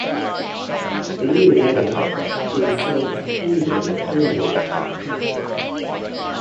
A year later, he was sold to Honved of Hungary.